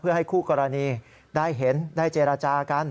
ให้คู่กรณีได้เห็นได้เจรจากัน